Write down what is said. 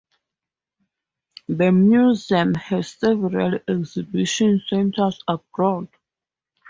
The museum has several exhibition centers abroad.